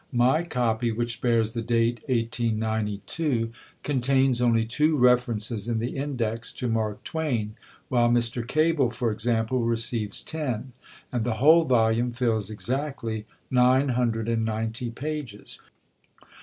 My copy, which bears the date 1892, contains only two references in the index to Mark Twain, while Mr. Cable, for example, receives ten; and the whole volume fills exactly nine hundred and ninety pages.